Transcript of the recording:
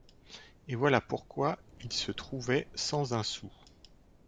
Et voilà pourquoi ils se trouvaient sans un sou.